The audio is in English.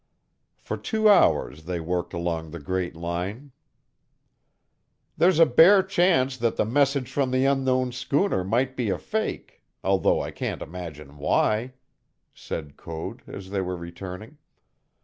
For two hours they worked along the great line. "There's a bare chance that the message from the unknown schooner might be a fake, although I can't imagine why," said Code as they were returning.